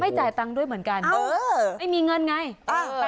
ไม่จ่ายตังค์ด้วยเหมือนกันเออไม่มีเงินไงอ่า